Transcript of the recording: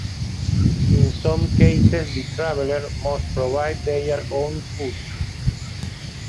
In some cases, the traveller must provide their own food.